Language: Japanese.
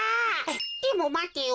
でもまてよ。